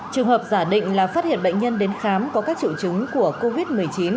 trường hợp giả định là phát hiện bệnh nhân đến khám có các triệu chứng của covid một mươi chín